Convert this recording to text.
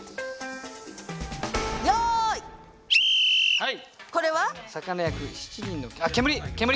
はい！